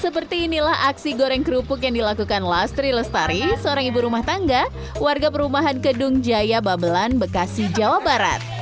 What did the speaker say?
seperti inilah aksi goreng kerupuk yang dilakukan lastri lestari seorang ibu rumah tangga warga perumahan kedung jaya babelan bekasi jawa barat